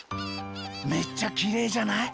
めっちゃきれいじゃない？